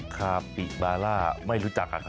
คาปิบาร่าไม่รู้จักค่ะค่ะ